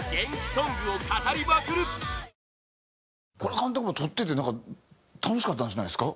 監督も撮っててなんか楽しかったんじゃないですか？